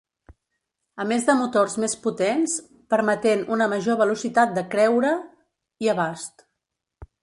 A més de motors més potents permetent una major velocitat de creure i abast.